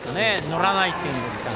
乗らないというんですか。